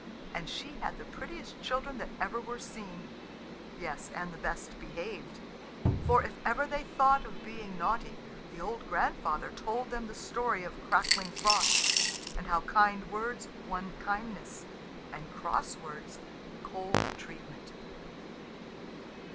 And she had the prettiest children that ever were seen yes, and the best behaved. For if ever they thought of being naughty, the old grandfather told them the story of crackling Frost, and how kind words won kindness, and cross words cold treatment.